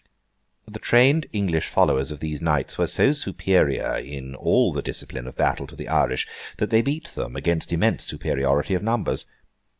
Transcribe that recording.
The trained English followers of these knights were so superior in all the discipline of battle to the Irish, that they beat them against immense superiority of numbers.